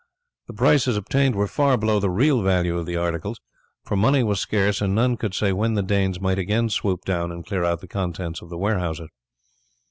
The prices obtained were far below the real value of the articles, for money was scarce, and none could say when the Danes might again swoop down and clear out the contents of the warehouses.